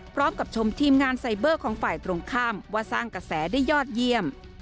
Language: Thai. พร้อมกับชมทีมงานไซเบอร์ของฝ่ายตรงข้ามว่าสร้างกระแสได้ยอดเยี่ยม